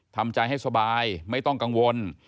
ทำใจให้สบายไม่ต้องกังวล